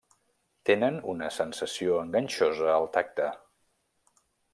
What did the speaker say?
Tenen una sensació enganxosa al tacte.